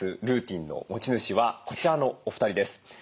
ルーティンの持ち主はこちらのお二人です。